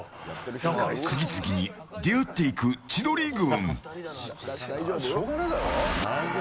次々に出会っていく千鳥軍。